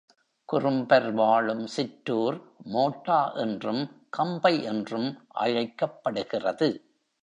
குறும்பர் வாழும் சிற்றூர் மோட்டா என்றும், கம்பை என்றும் அழைக்கப்படுகிறது.